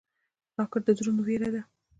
راکټ د زړونو وېره ده